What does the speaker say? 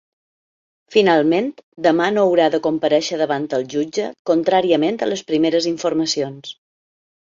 Finalment, demà no haurà de comparèixer davant el jutge, contràriament a les primeres informacions.